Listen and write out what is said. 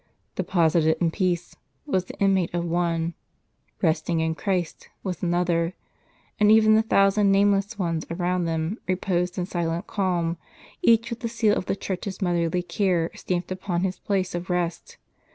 "Deposited in peace," was the inmate of one; "resting in Christ" was another; and even the thousand nameless ones around them reposed in silent calm, each with the seal of the Church's motherly care stamped upon his place of rest.